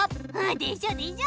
でしょでしょ。